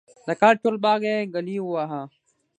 د کال ټول باغ یې ګلي وواهه.